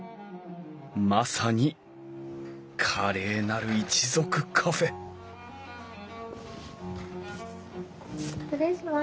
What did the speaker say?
まさに「華麗なる一族カフェ」失礼します。